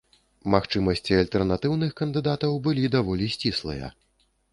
Магчымасці альтэрнатыўных кандыдатаў былі даволі сціслыя.